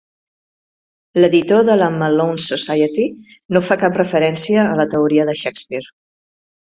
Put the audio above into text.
L'editor de la Malone Society no fa cap referència a la teoria de Shakespeare.